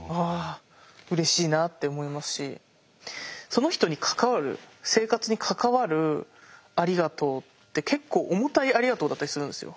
その人に関わる生活に関わる「ありがとう」って結構重たい「ありがとう」だったりするんですよ。